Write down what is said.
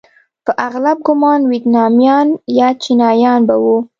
په اغلب ګومان ویتنامیان یا چینایان به وو.